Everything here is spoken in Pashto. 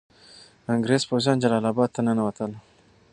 انګریز پوځیان جلال اباد ته ننوتل.